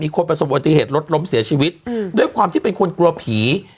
มีคนผสมอติเหตุลดล้มเสียชีวิตอืมโดยความที่เป็นคนกลัวผี